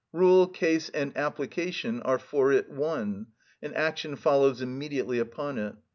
Rule, case, and application are for it one, and action follows immediately upon it.